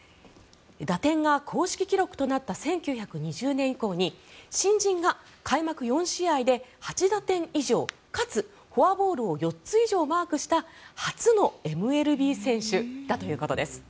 打点が公式記録となった１９２０年以降に新人が開幕４試合で８打点以上かつフォアボールを４つ以上マークした初のＭＬＢ選手だということです。